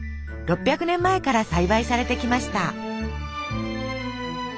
６００年前から栽培されてきました。